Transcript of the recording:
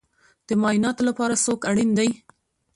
د معایناتو لپاره څوک اړین دی؟